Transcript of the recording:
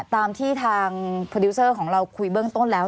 ตามที่ทางโปรดิวเซอร์ของเราคุยเบื้องต้นแล้ว